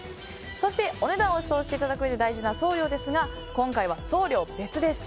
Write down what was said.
そしてお値段を予想していただくうえで大事な送料ですが今回は送料別です。